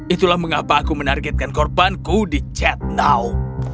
itulah mengapa aku menargetkan korbanku di chat now